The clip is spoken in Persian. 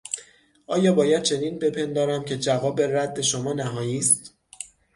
آیا باید چنین بپندارم که جواب رد شما نهایی است؟